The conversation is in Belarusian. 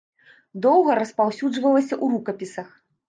Доўга распаўсюджвалася ў рукапісах.